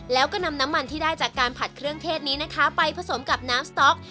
แล้วก็นำน้ำมันที่ได้จากการผัดเครื่องเทศนี้นะคะไปผสมกับน้ำสต๊อก